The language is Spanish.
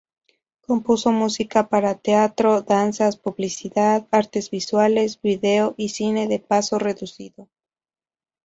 Compuso música para teatro, danzas, publicidad, artes visuales, video y cine de paso reducido.